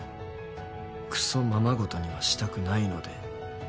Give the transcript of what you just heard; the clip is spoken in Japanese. クソままごとにはしたくないので。